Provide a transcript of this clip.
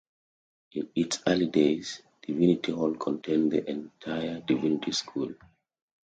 In its early days, Divinity Hall contained the entire Divinity School.